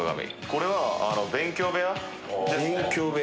これは勉強部屋ですね。